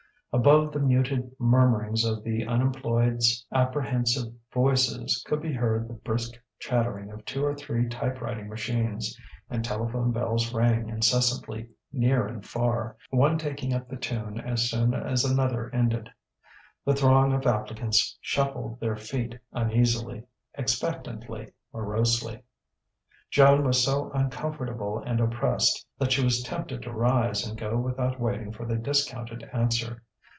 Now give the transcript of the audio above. Above the muted murmurings of the unemployed's apprehensive voices could be heard the brisk chattering of two or three type writing machines; and telephone bells rang incessantly, near and far, one taking up the tune as soon as another ended. The throng of applicants shuffled their feet uneasily, expectantly, morosely. Joan was so uncomfortable and oppressed that she was tempted to rise and go without waiting for the discounted answer.